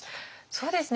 そうですね。